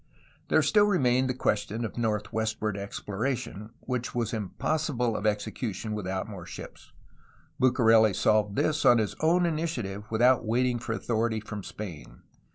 There still remained the question of northwestward ex ploration, which was impossible of execution without more ships. Bucareli solved this on his own initiative without waiting for authority from Spain.